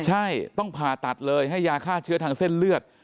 ใช่ต้องผ่าตัดเลยให้ยาฆ่าเชื้อทางเส้นเลือด